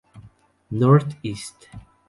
North East